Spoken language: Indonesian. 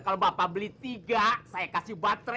kalau bapak beli tiga saya kasih baterai